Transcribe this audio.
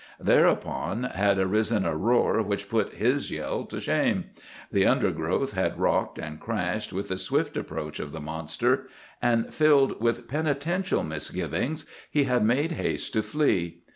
Thereupon had arisen a roar which put his yell to shame. The undergrowth had rocked and crashed with the swift approach of the monster; and, filled with penitential misgivings, he had made haste to flee.